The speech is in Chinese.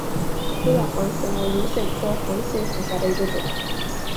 欧瓦黄藓为油藓科黄藓属下的一个种。